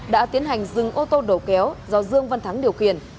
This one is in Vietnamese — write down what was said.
đã tiến hành dừng ô tô đầu kéo do dương văn thắng điều khiển